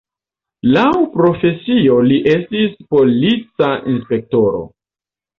Laŭ profesio li estis polica inspektoro.